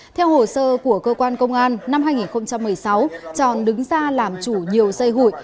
theo hồ sơ của cơ quan công an năm hai nghìn một mươi sáu tròn đứng ra làm chủ nhiều dây hụi